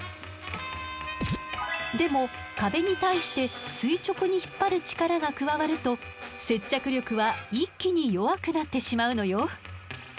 でも壁に対して垂直に引っ張る力が加わると接着力は一気に弱くなってしまうのよ。